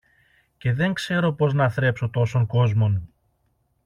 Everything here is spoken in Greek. Και δεν ξέρω πώς να θρέψω τόσον κόσμον!